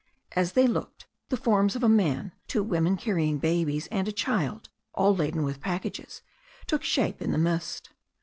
As they looked, the forms of a man, two women carrying babies, and a child — all laden with packages — took shape ia the mist.